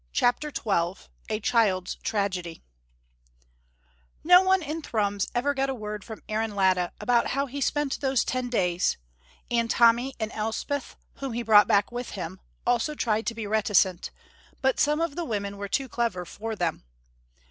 CHAPTER XII A CHILD'S TRAGEDY No one in Thrums ever got a word from Aaron Latta about how he spent those ten days, and Tommy and Elspeth, whom he brought back with him, also tried to be reticent, but some of the women were too clever for them.